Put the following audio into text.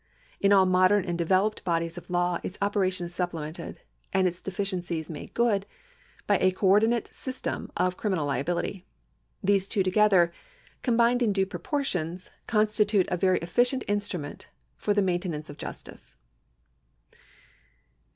In all modern and developed bodies of law its operation is supplemented, and its deficiencies made 384 LIABILITY (CONTINUED) [§ 151 good, by a co ordinate system of criminal liability. These two together, combined in due proportions, constitute a very efficient instrument for the maintenance of justice.